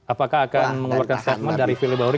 apakah akan mengeluarkan statement dari fili bauri